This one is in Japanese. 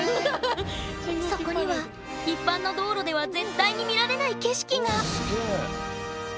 そこには一般の道路では絶対に見られない景色が！